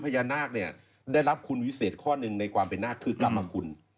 พญานาคเนี่ยได้รับคุณวิเศษข้อหนึ่งในความเป็นนาคคือกรรมคุณ